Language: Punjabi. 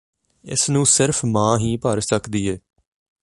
ਇਸਨੂੰ ਸਿਰਫ ਮਾਂ ਹੀ ਭਰ ਸਕਦੀ ਏ